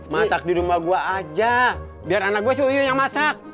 masak di rumah gua aja biar anak gua seuyuh yang masak